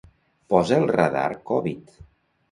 Posa el Radar Covid.